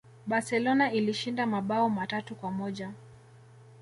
Barcelona ilishinda mabao matatu kwa moja